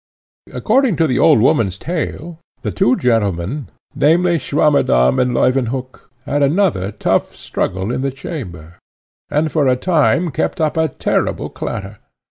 According to the old woman's tale, the two gentlemen, namely, Swammerdamm and Leuwenhock, had another tough struggle in the chamber, and for a time kept up a terrible clatter.